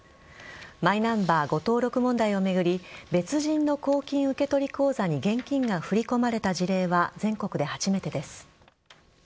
マイナンバー誤登録問題を巡り別人の公金受取口座に現金が振り込まれた事例は全国で初めてです。